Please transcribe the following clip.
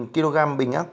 chín mươi bảy kg bình ắc